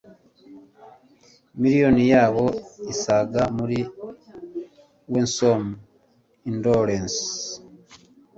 miriyoni yabo isiga muri winsome indolence